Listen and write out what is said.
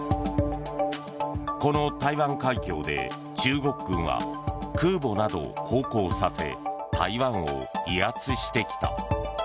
この台湾海峡で中国軍は空母などを航行させ台湾を威圧してきた。